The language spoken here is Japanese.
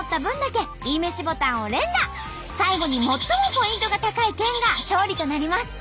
最後に最もポイントが高い県が勝利となります。